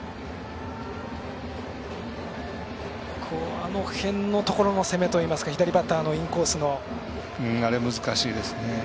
あの辺のところの攻めといいますか、左バッターのあれ難しいですね。